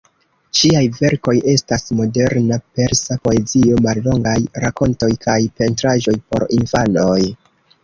Ŝiaj verkoj estas moderna Persa poezio, mallongaj rakontoj, kaj pentraĵoj por infanoj.